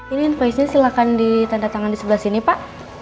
ini invoice nya silahkan ditandatangan di sebelah sini pak